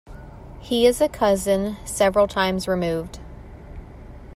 He is a cousin, several times removed.